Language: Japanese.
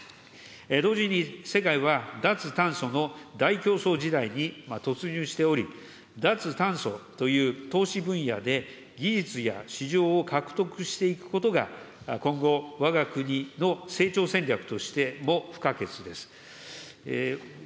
同時に世界は脱炭素の大競争時代に突入しており、脱炭素という投資分野で、技術や市場を獲得していくことが今後、わが国の成長戦略としても不可欠です。